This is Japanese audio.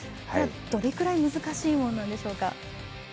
どれくらい難しいものなんでしょうか。